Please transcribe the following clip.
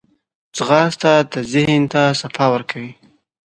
ځغاسته د ذهن ته صفا ورکوي